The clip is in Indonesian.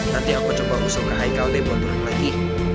nanti aku coba rusuh ke haikal deh buat berang lagi